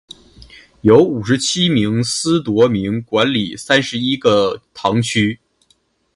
由五十七名司铎名管理三十一个堂区。